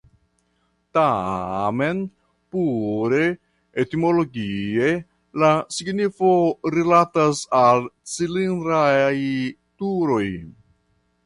Tamen pure etimologie la signifo rilatas al cilindraj turoj.